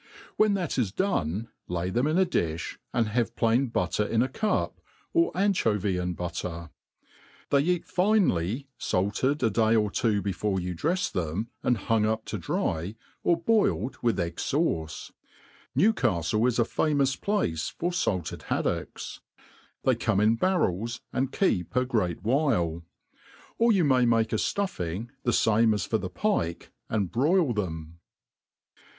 When that is done, lay them in a dilli, and have plain butter in a cup, or anchovy and butter. "^ They eat finely faked a day or two before you drefs them, and bung up to dry, or boiled with egg fauce. Newcafile is a famous place for faked haddocks. They come in barrels, and keep a great while. Or you may make a fluffing the fame 9S for the pike, and broil them.